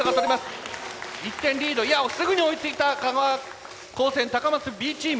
１点リードいやすぐに追いついた香川高専高松Ｂチーム。